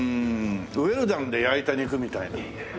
ウェルダンで焼いた肉みたいな。